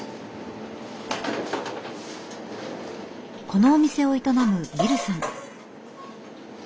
このお店を営むビルさん。